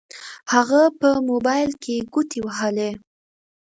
هغه په موبايل کې ګوتې ووهلې.